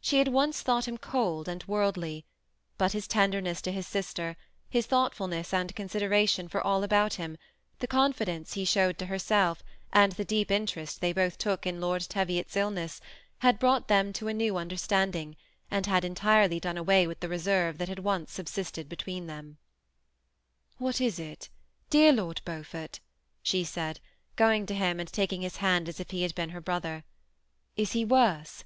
She had once thought him cold and world ly ; but his tenderness to his sister, his thoughtfulness and consideration for all about him, the confidence he showed to herself, and the deep interest they both took in Lord Teviot's illness, had brought them to a new understanding, and had entirely done away with the reserve that had once subsisted between them. 14 814 THE SEMI ATTACHED COUPLE. " What is it, dear Lord Beaufort ?" she said, goiDg to him and taking hts hand as if he had been her brother. "Is he worse?"